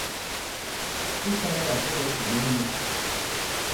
Ú sá yɛ̄ ta tɔ̄ ɓɛ̌ sukûl mus ?